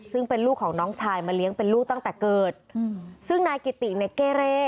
ซึ่งเป็นลูกของน้องชายมาเลี้ยงเป็นลูกตั้งแต่เกิดซึ่งนายกิติเนี่ยเก้เร่